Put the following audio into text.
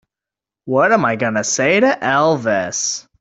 What am I going to say to Elvis?